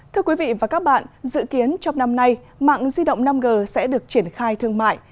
thưa quý vị và các bạn dự kiến trong năm nay mạng di động năm g sẽ được triển khai thương mại